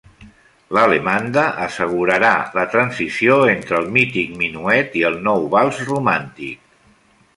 L'alemanda assegurarà la transició entre el mític minuet i el nou vals romàntic.